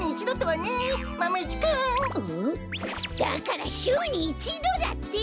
だからしゅうに１どだって！